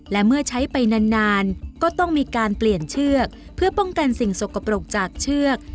และเมื่อใช้ไปนานก็ต้องมีการเปลี่ยนเชือกเพื่อป้องกันสิ่งสกปรกจากเชือก